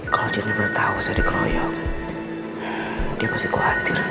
kalau jennifer tahu saya dikeroyok dia masih khawatir